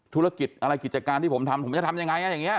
ธุรกิจอะไรกิจการที่ผมทำผมจะทำยังไงอย่างนี้